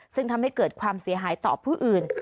ซึ่งทำให้เกิดความเสียหายต่อผู้อื่น